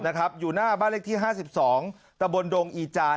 นะครับอยู่หน้าบ้านเลขที่ห้าสิบสองตะบนดงอีจาน